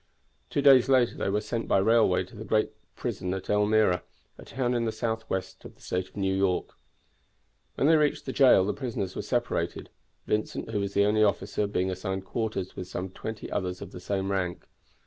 Two days later they were sent by railway to the great prison at Elmira, a town in the southwest of the State of New York. When they reached the jail the prisoners were separated, Vincent, who was the only officer, being assigned quarters with some twenty others of the same rank.